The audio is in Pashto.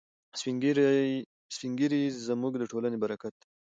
سپین ږیري زموږ د ټولنې برکت دی.